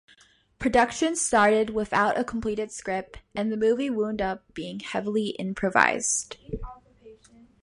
Production started without a completed script and the movie wound up being heavily improvised.